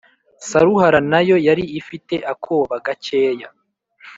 Saruhara na yo yari ifite akoba gacyeya